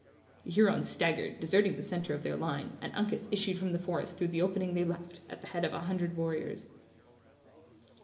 The Hurons staggered, deserting the center of their line, and Uncas issued from the forest through the opening they left, at the head of a hundred warriors.